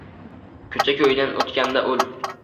Koʼcha – koʼydan oʼtganda ul.